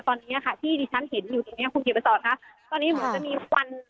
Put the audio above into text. ตอนนี้ค่ะที่ฉันเห็นอยู่ตรงนี้ครุ่งคีประสตว์นะคะตอนนี้เหมือนจะมีฟันฟันกุ้งอยู่อะค่ะ